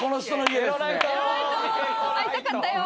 会いたかったよ。